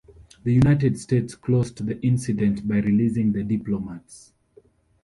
The United States closed the incident by releasing the diplomats.